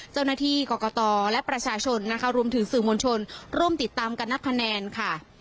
เจ้าหน้าที่กรกตและประชาชนนะคะรวมถึงสื่อมวลชนร่วมติดตามการนับคะแนนค่ะ